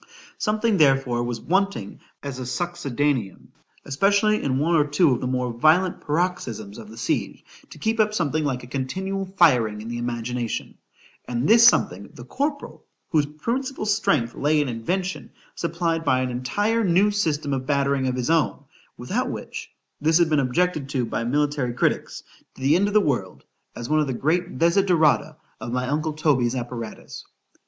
SOMETHING therefore was wanting as a succedaneum, especially in one or two of the more violent paroxysms of the siege, to keep up something like a continual firing in the imagination,——and this something, the corporal, whose principal strength lay in invention, supplied by an entire new system of battering of his own,—without which, this had been objected to by military critics, to the end of the world, as one of the great desiderata of my uncle Toby's apparatus.